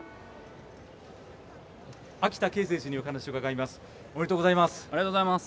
秋田啓選手にお話を伺います。